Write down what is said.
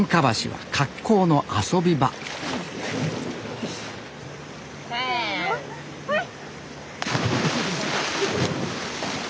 はい！